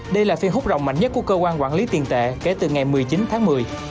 đây là phiên hút rộng mạnh nhất của cơ quan quản lý tiền tệ kể từ ngày một mươi chín tháng một mươi